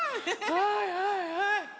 はいはいはい。